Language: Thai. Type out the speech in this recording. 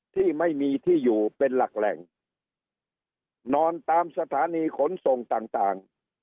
ที่ไม่มีที่อยู่เป็นหลักแหล่งนอนตามสถานีขนส่งต่างต่าง